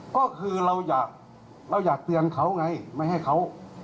ก็คือเราอยากเราอยากเตือนเขาไงไม่ให้เขา